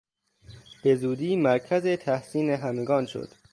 به زودی مرکز تحسین همگان شد.